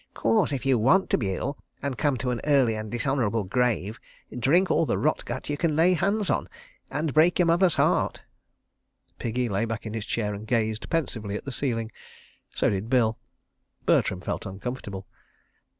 "'Course, if you want to be ill and come to an early and dishonourable grave, drink all the rot gut you can lay hands on—and break your mother's heart. ..." Piggy lay back in his chair and gazed pensively at the ceiling. So did Bill. Bertram felt uncomfortable.